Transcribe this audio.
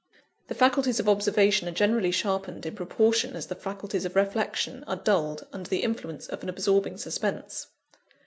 The faculties of observation are generally sharpened, in proportion as the faculties of reflection are dulled, under the influence of an absorbing suspense.